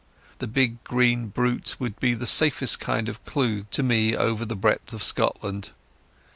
The big green brute would be the safest kind of clue to me over the breadth of Scotland.